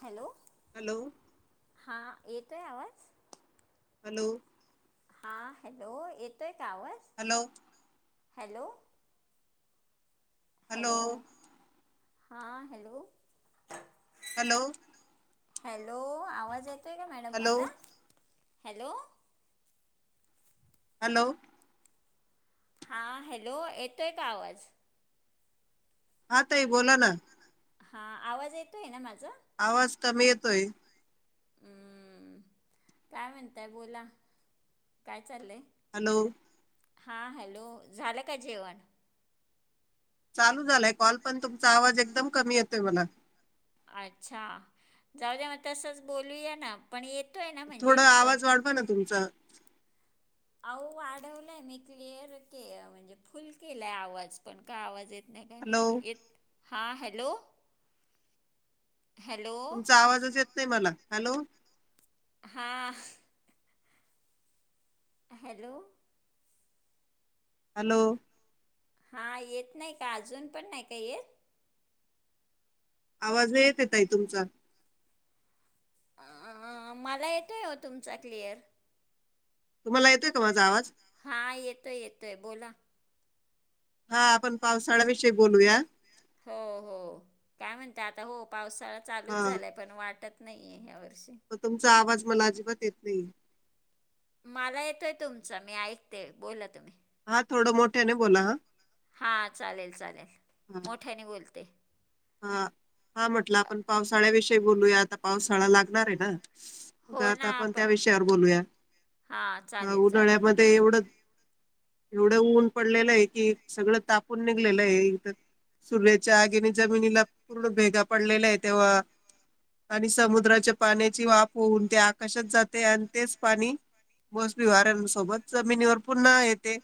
Hello, hello हां, एक तोय आवाज? हॅलो, हा हॅलो, येतोय का आवाज? हॅलो, हॅलो, हॅलो हा हॅलो हॅलो हॅलो आवाज येत.... तोय. का मॅडम हॅलो माझा हॅलो हॅलो हा हॅलो येतोय का आवाज हा ताई बोला ना हा आवाज येतोय ना माझा आवाज कमी येतोय हम्म काय म्हणताय बोला काय चाललंय हॅलो हा हॅलो झालं का जेवण चालू झालाय कॉल पण तुमचा आवाज एकदम कमी येते मला अच्छा जाऊ द्या मग तसच बोलूया ना पण येत थोड आवाज वाढवा ना तुमचा अह वाढवलाय मी क्लिअर के म्हणजे फुल केलाय आवाज पण का आवाज येत नाय झालंय काय हॅलो माहिती हॅलो हॅलो तुमचा आवाजच येत नाही मला हॅलो हा हॅलो हॅलो हा येत नाही का अजून पण नाही का येत आवाज येत नाही ताई तुमचा अ मला येतो तुमचा क्लिअर तुम्हाला येतोय का माझा आवाज हा येतोय येतोय बोला हा आपण पावसाळ्याविषयी बोलूया हो हो काय म्हणत आता हो पाऊस शाळा चालूच झालंय पण वाटत नाही य यावर मग तुमचा आवाज मला अजिबात येत नाही मला येतोय तुमच मी ऐकते बोला तुम्ही हा थोडं मोठ्या ने बोला ह हा चालेल चालेल मोठ्यानी बोलते ह हा म्हटलं आपण पावसाळ्याविषयी बोलूया आता पावसाळा लागणार आहे ना का हो आता ना आपण त्या विषयावर बोलूया हा चालेल चालेल उन्हाळ्यामध्ये एवढं एवढं ऊन पडलेलं हाय कि सगळं तापून निघलेलं आहे तर सूर्याच्या आगीने जमिनीला पूर्ण भेगा पडलेल्या आहे तेव्हा आणि समुद्राच्या पाण्याची वाफ होऊन ते आकाशात जाते आणि तेच पाणी मोसमी वाऱ्यांसोबत जमिनीवर पुन्हा येते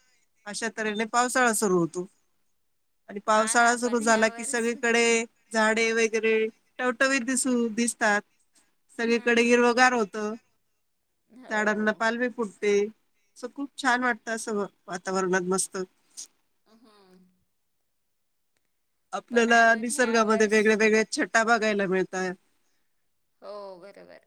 अश्या तऱ्हेने पावसाळा सुरू होतो आणि हा ना पावसाळा सुरू आपण ह्या झाला की सगळी वर्षी डे झाडे वगैरे टवटवीत दिसु दिसतात सगळीकडे हम्म हम्म हिरवगार होत हो झाडांना पालवी फुटते अस खूप छान हम्म वाटतं असं वा वातावरणात मस्त अहम आपल्याला ह्या निसर्गामध्ये वर्ष वेगळ्या वेगळ्या छट्टा भाग यायला मिळताय हो बरोबर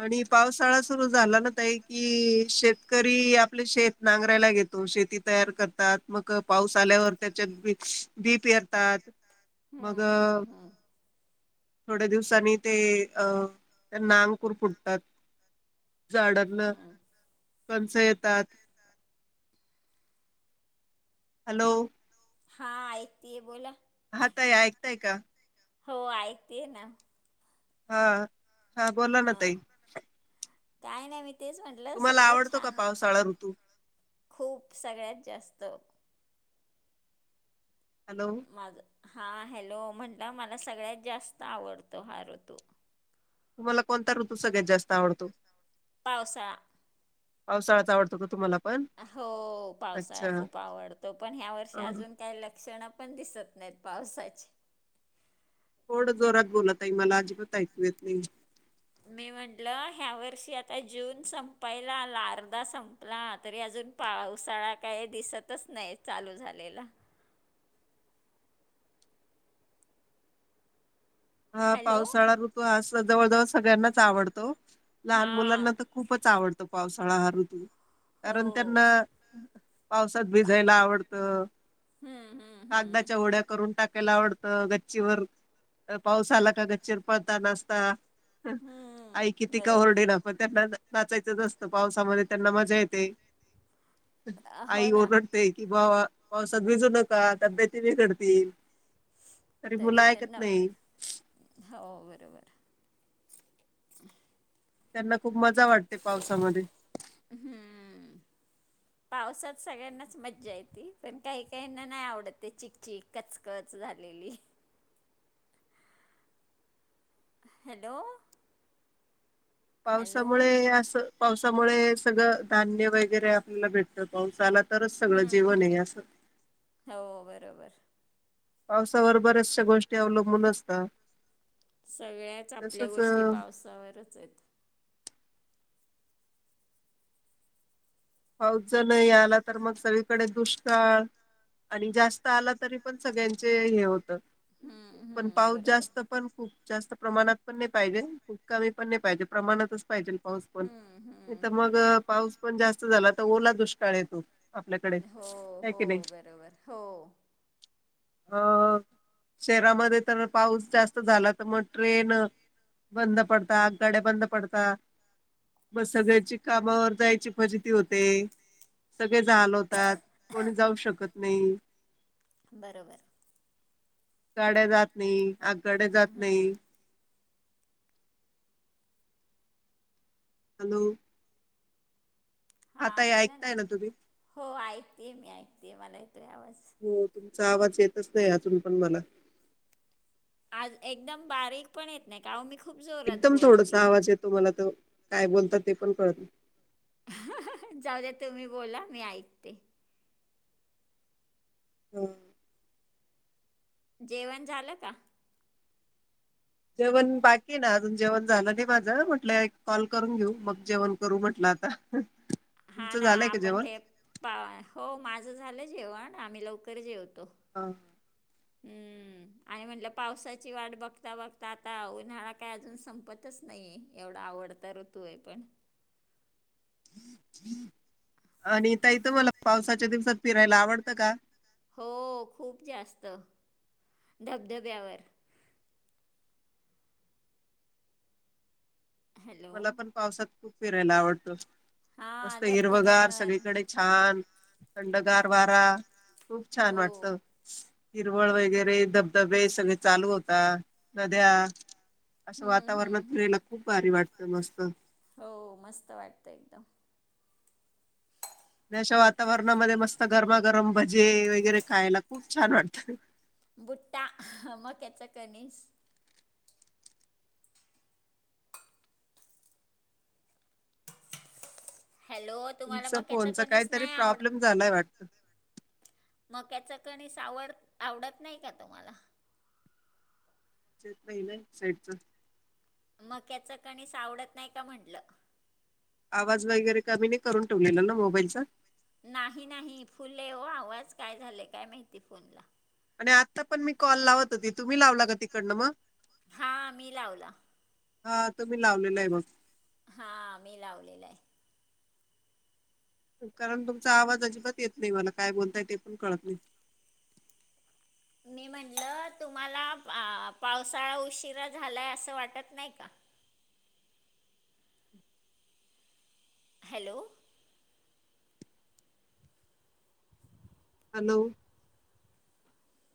आणि हम्म पावसाळा सुरू झाला ना त एक कि शेतकरी आपले शेत नांगरायला घेतो शेती तयार करतात मग पाऊस आल्यावर त्याच्यात बी श्पी बी पेरतात हम मग हम हम थोड्या दिवसाांनी ते अ त्यांना अंकुर फुटतात झाडांना हम्म. कन्स येतात हॅलो हा ऐकतेय बोला हा ताई ऐकताय का हो ऐकतेय ना हा हा बोला ना ताई काही नाही मी तेच म्हटलं तुम्हाला सगळं आवडतो का छान पावसाळा ऋतू खूप सगळ्यात जास्त हॅलो माझं हा हॅलो म्हणला मला सगळ्यात जास्त आवडतो हा ऋतू तुम्हाला कोणता ऋतू सगळ्यात जास्त आवडतो पावसाळा पावसाळाच आवडतो का तुम्हाला पण? हो पावसाळा अच्छा खूप आवडतो पण ह्या वर्षी हा अजून काही लक्षण पण दिसत नाहीत पावसाचे थोड जोरात बोला ताई मला अजिबात ऐकू येत नाही मी म्हटलं ह्या वर्षी आता जून संपायला आला अर्धा संपला तरी अजून पावसाळा काही दिसतच नाही चालू झालेला हा हॅलो पावसाळा ऋतू असून जवळ जवळ सगळ्यांनाच आवडतो लहान हां मुलांना तर खूपच आवडतो पाऊस [unintelligible] कारण हो त्यांना पावसात पा भिजायला आवडत हम्म हम्म हम्म कागदाच्या होड्या करून टाक - टाकायला आवडतं गच्ची वर पाऊस आला की गच्चीवर पळता नाचता हा आई हम्म किती का बरोबर ओरडेना त्यांना नाचायचंच न असतं पावसामध्ये त्यांना मजा येते हो आई ना ओरडतेय की बाबा पावसात भिजू नका तब्येती बिघडतील तरी मुलं ऐकत नाही हो बरोबर [inaudible] त्यांना खूप मजा वाटते पावसामध्ये हम्म पावसात सगळ्यांनाच मज्जा येते पण काही काहीना नाही आवडत ते चिकचिक कचकच झालेली हॅलो हॅलो पावसामुळे असं पावसामुळे सगळं धान्य वगैरे आपल्याला भेटतं पाऊस आला तरच सगळं हम्म जेवण हम्म आहे असं हो बरोबर पावसावर बऱ्याचशा गोष्टी अवलंबून असतात सगळ्याच आपल्या तसच गोष्टी पावसावरच आहेत पाऊस जर नाही आला तर मग सगळीकडे दुष्काळ आणि जास्त आला तरी पण सगळ्यांचे हे होत हम्म पण हम्म पाऊस बरोबर जास्त पण खूप जास्त प्रमाणात पण नाही पाहिजे खूप कमी पण नाही पाहिजे प्रमाणातच पाहिजे. पाऊस पण हम्म हम्म तर मग हम्म पाऊस पण जास्त झाला तर ओला दुष्काळ येतो आपल्याकडे हो आहे हो की नाही बरोबर हो अ शहरामध्ये तर पाऊस जास्त झाला तर मग ट्रेन बंद पडतात गाड्या बंद पडतात म सगळ्याची कामावर जायची फजेती होते सगळेचं हाल होतात कोणी जाऊ शकत नाही बरोबर गाड्या जात नाही आगगाड्या जात नाही हम्म हॅलो आता हे ऐकताय ना तुम्ही ते मी ऐकते मला येतोय आवाज हो तुम्ही - आवाज येतच नाही अजून पण मला आज एकदम बारीक पण येत नाही का मी खूप जोरात एकदम थोडसा बोलतेय आवाज येतो मला तो काय बोलतात ते पण कळत नाही जाऊ द्या तुम्ही बोला मी ऐकते हम जेवण झालं का जेवण बाकी ना अजून जेवण झालं नाही माझं म्हटलं एक कॉल करून घेऊ मग जेवण करू म्हटलं आता हा तुमचं ना झालंय का आपण जेवण? ते पा हो माझं झालं जेवण आम्ही लवकर जेवतो हा हम्म आणि म्हणलं पावसाची वाट बघता बघता आता उन्हाळा काय अजून संपतच नाहीये एवढा आवडत ऋतू आहे पण आणि ताइ तुम्हाला पावसाच्या दिवसात फिरायला आवडतं का हो खूप जास्त धबधब्यावर हॅलो मला पण पावसात खूप फिरायला आवडतं मस्त हां हिरवगार धबधब्यांवर सगळीकडे छान खंडगार वार खूप छान हो वाटतं हिरवळ वगैरे धबधबे सगळे चालू होता नद्या असं हम्म वातावरणात हम्म हम्म फिरायला खूप भारी वाटत हो मस्त वाटत एकदम अशा वातावरणामध्ये मस्त गरमागरम भजे वगैरे खायला खूप छान वाटतात बुट्टा मक्याच कनीस हॅलो तुम्हाला तुमचा मक्याचा फोनचा कणीस काहीतरी नाही आवड प्रॉब्लेम झालाय वाटत मक्याच कणीस आवडत नाही का तुम्हाला नाही ना साईडच मक्याच कणीस आवडत नाही का म्हटलं आवाज वगैरे कमी नाय करून ठेवलेला ना मोबाईलचा नाही नाही फुल हाय ओ आवाज काय झालेय काय माहिती फोन ला आणि आता पण मी कॉल लावत होती तुम्ही लावला का तिकडनं मग हा मी लावला हा तो मी लावलेला आहे मग हा मी लावलेलं आहे कारण तुमचा आवाज अजिबात येत नाही मला काय बोलताय ते पण कळत नाही मी म्हटलं तुम्हाला पावसाळा उशिरा झालाय असं वाटत नाही का हॅलो हॅलो